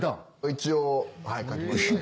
一応はい描きましたね。